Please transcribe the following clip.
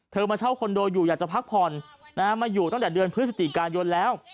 มาเช่าคอนโดอยู่อยากจะพักผ่อนมาอยู่ตั้งแต่เดือนพฤศจิกายนแล้ว